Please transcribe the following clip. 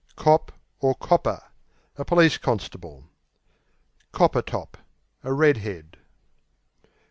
Cop (or Copper) A police constable. Copper top Red head.